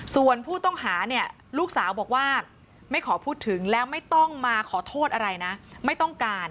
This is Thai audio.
ส่วนผู้ต้องหาเนี่ยลูกสาวบอกว่าไม่ขอพูดถึงแล้วไม่ต้องมาขอโทษอะไรนะไม่ต้องการ